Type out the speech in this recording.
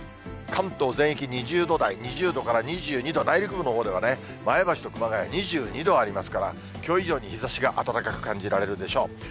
関東全域、２０度台、２０度から２２度、内陸部のほうでは前橋と熊谷２２度ありますから、きょう以上に日ざしが暖かく感じられるでしょう。